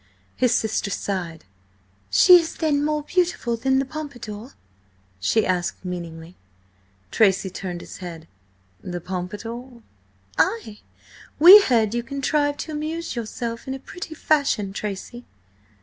His sister sighed. "She is then more beautiful than the Pompadour?" she asked meaningly. Tracy turned his head. "The Pompadour?" "Ay! We heard you contrived to amuse yourself in a pretty fashion, Tracy!"